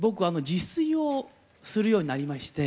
自炊をするようになりまして。